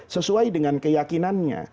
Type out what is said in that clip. sesuai dengan keyakinannya